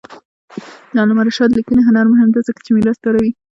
د علامه رشاد لیکنی هنر مهم دی ځکه چې میراث کاروي.